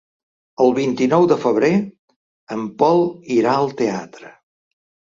El vint-i-nou de febrer en Pol irà al teatre.